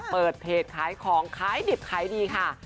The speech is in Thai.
เปิดเพจขายของขายดิบขายดีค่ะ